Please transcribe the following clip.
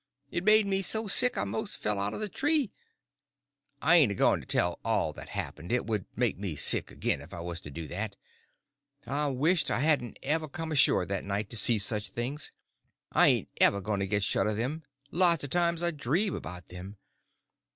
It made me so sick I most fell out of the tree. I ain't a going to tell all that happened—it would make me sick again if I was to do that. I wished I hadn't ever come ashore that night to see such things. I ain't ever going to get shut of them—lots of times I dream about them.